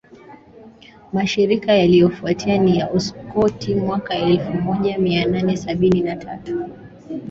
Mashirikisho yaliyofuatia ni ya Uskoti mwaka elfu moja mia nane sabini na tatu